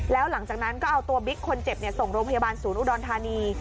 แล้วหลังจากนั้นก็เอาตัวบิ๊กคนเจ็บส่งโรงพยาบาลศูนย์อุดรธานี